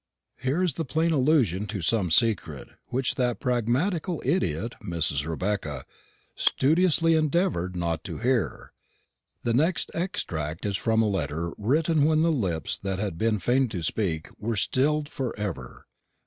Here is plain allusion to some secret, which that pragmatical idiot, Mrs. Rebecca, studiously endeavoured not to hear. The next extract is from a letter written when the lips that had been fain to speak were stilled for ever.